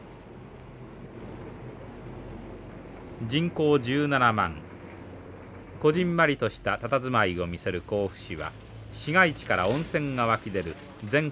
人口１７万こぢんまりとしたたたずまいを見せる甲府市は市街地から温泉が湧き出る全国でも珍しい都市です。